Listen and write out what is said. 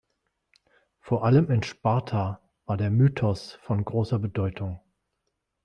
Vor allem in Sparta war der Mythos von großer Bedeutung.